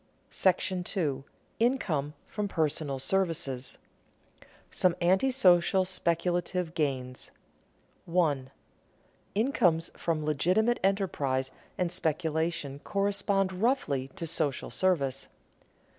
§ II. INCOME FROM PERSONAL SERVICES [Sidenote: Some anti social speculative gains] 1. _Incomes from legitimate enterprise and speculation correspond roughly to social service.